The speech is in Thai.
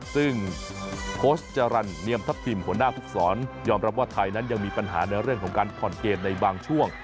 ซึ่งโค้ชจรรย์เนียมทัพทิมหัวหน้าภูกษรยอมรับว่าไทยนั้นยังมีปัญหาในเรื่องของการผ่อนเกมในบางช่วง